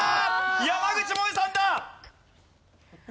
山口もえさんだ！